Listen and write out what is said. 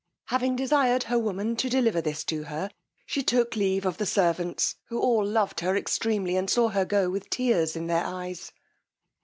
Having desired her woman to deliver this to her, she took leave of the servants, who all loved her extremely, and saw her go with tears in their eyes.